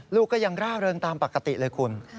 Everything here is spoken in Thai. ลูกก็ยังร่าเริงตามปกติเลยคุณ